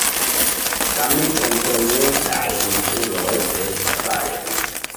Same en orientaj insuloj de Havajo.